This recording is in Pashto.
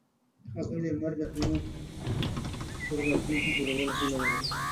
هغوی د لمر له یادونو سره راتلونکی جوړولو هیله لرله.